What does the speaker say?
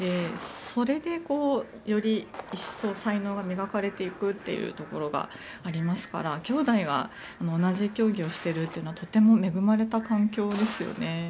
それでより一層才能が磨かれていくところがありますから兄弟が同じ競技をしているというのはとても恵まれた環境ですよね。